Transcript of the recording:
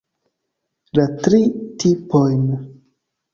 La tri tipojn.